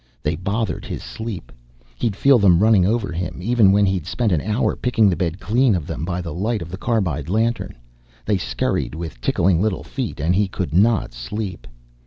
They bothered his sleep. He'd feel them running over him, even when he'd spent an hour picking the bed clean of them by the light of the carbide lantern. They scurried with tickling little feet and he could not sleep.